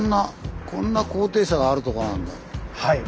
はい。